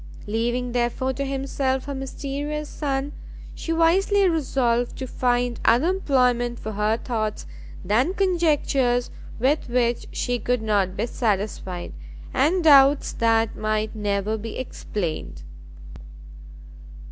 Leaving therefore to himself her mysterious son, she wisely resolved to find other employment for her thoughts, than conjectures with which she could not be satisfied, and doubts that might never be explained.